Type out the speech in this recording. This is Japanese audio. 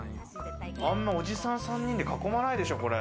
あんま、おじさん３人で囲まないでしょ、これ。